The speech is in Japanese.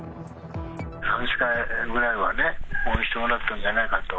３、４回ぐらいはね、応援してもらったんじゃないかと。